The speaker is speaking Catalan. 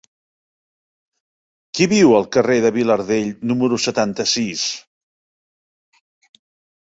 Qui viu al carrer de Vilardell número setanta-sis?